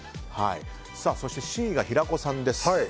そして、Ｃが平子さんです。